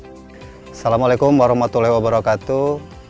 assalamualaikum warahmatullahi wabarakatuh